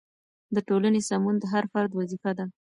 د ټولنې سمون د هر فرد وظیفه ده.